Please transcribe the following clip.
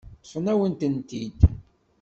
Ṭṭfen-awen-tent-id.